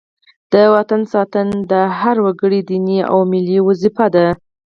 د وطن ساتنه د هر وګړي دیني او ملي دنده ده.